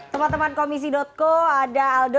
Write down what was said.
teman teman komisi co ada aldo